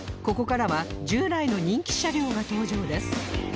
ここからは従来の人気車両が登場です